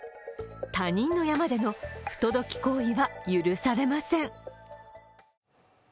他人の山での不届き行為は許されません。